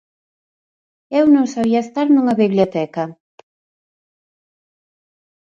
Eu non sabía estar nunha biblioteca.